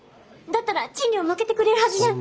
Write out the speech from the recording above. だったら賃料負けてくれるはずじゃ。